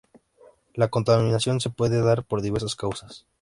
La contaminación se puede dar por diversas causas.